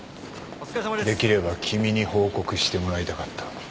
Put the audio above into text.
できれば君に報告してもらいたかった。